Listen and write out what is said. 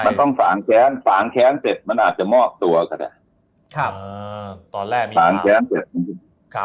มันต้องสั่งแค้นสั่งแค้นเสร็จมันอาจจะมอบตัวครับตอนแรก